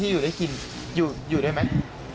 อยู่อยู่ด้วยมั้ย